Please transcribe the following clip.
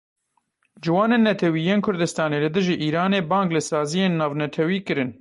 Ciwanên Netewî yên Kurdistanê li dijî Îranê bang li saziyên navnetewî kir.